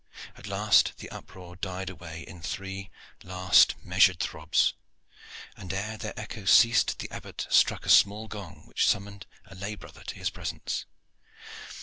At last the uproar died away in three last, measured throbs, and ere their echo had ceased the Abbot struck a small gong which summoned a lay brother to his presence.